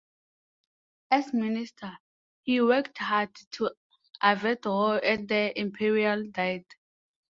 As Minister, he worked hard to avert war at the Imperial Diet.